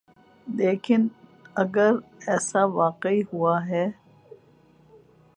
لیکن اگر ایسا واقعی ہوا ہے۔